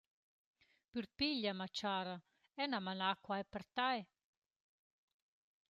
«Pür piglia, ma chara; eu n’ha manà quai per tai.»